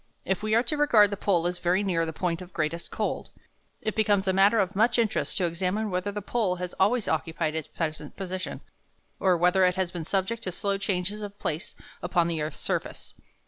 If we are to regard the pole as very near the point of greatest cold, it becomes a matter of much interest to examine whether the pole has always occupied its present position, or whether it has been subject to slow changes of place upon the earth's surface.